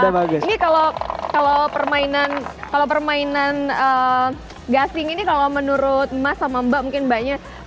wah ini kalau permainan kalau permainan gassing ini kalau menurut mas sama mbak mungkin banyak